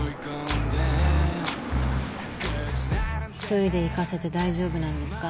１人で行かせて大丈夫なんですか？